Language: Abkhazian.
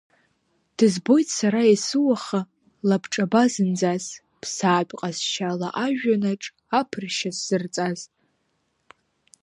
Дызбоит сара есыуаха, лабҿаба зынӡас, ԥсаатә ҟазшьала ажәҩанаҿ аԥыршьа сзырҵаз.